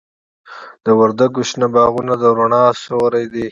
د وردګو شنه باغونه د رڼا سیوري دي.